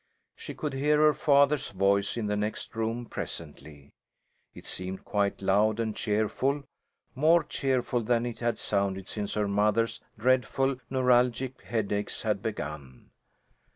She could hear her father's voice in the next room, presently. It seemed quite loud and cheerful; more cheerful than it had sounded since her mother's dreadful neuralgic headaches had begun.